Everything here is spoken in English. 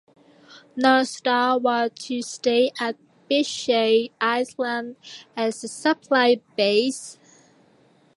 "North Star" was to stay at Beechey Island as a supply base.